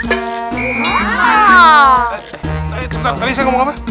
eh bentar bentar ya saya ngomong apa